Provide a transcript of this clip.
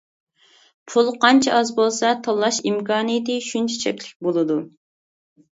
پۇل قانچە ئاز بولسا، تاللاش ئىمكانىيىتى شۇنچە چەكلىك بولىدۇ.